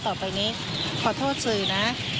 ต่อไปนี้ขอโทษสื่อนะ